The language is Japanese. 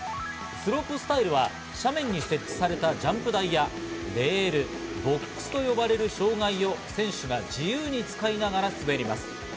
スロープスタイルは斜面に設置されたジャンプ台や、レール、ボックスと呼ばれる障害を選手が自由に使いながら滑ります。